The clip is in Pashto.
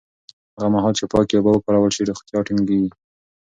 هغه مهال چې پاکې اوبه وکارول شي، روغتیا ټینګېږي.